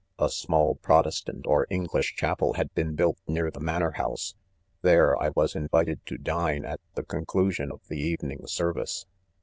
c A small protestant or English chapel had been built near the " manor house j" there I was invited to dine at the conclusion of. the evening service.